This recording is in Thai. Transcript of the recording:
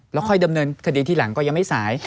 แล้วค่อยดำเนินคดีทีหลังก็ยังไม่สาย